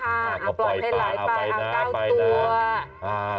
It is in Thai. ค่ะปล่อยให้หลายปลาทำเก้าตัว